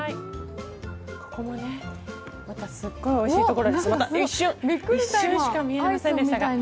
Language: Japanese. ここもね、またすっごいおいしいところです。